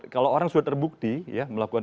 kalau orang sudah terbukti ya melakukan